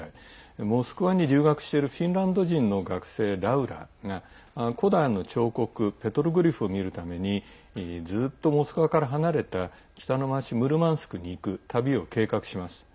モスクワに留学しているフィンランド人の学生ラウラが古代の彫刻ペトログリフを見るためにずっとモスクワから離れた北の町ムルマンスクに行く旅を計画します。